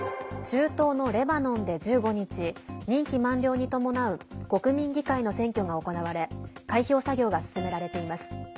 中東のレバノンで１５日任期満了に伴う国民議会の選挙が行われ開票作業が進められています。